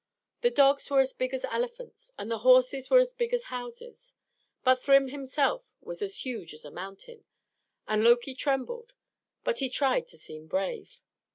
The dogs were as big as elephants, and the horses were as big as houses, but Thrym himself was as huge as a mountain; and Loki trembled, but he tried to seem brave.